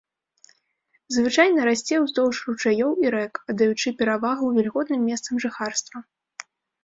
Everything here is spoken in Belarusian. Звычайна расце ўздоўж ручаёў і рэк, аддаючы перавагу вільготным месцам жыхарства.